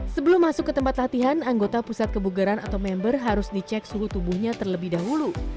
sebelum masuk ke tempat latihan anggota pusat kebugaran atau member harus dicek suhu tubuhnya terlebih dahulu